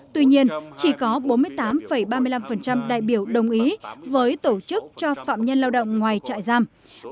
tuy nhiên chỉ có bốn mươi tám ba mươi năm đại biểu đồng ý với tổ chức cho phạm nhân lao động ngoài trại giam